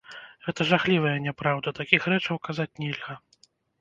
Гэта жахлівая няпраўда, такіх рэчаў казаць нельга.